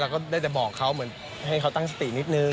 ก็ได้แต่บอกเขาเหมือนให้เขาตั้งสตินิดนึง